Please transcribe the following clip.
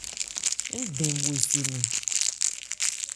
Ń dɛn bhwe se mɛn.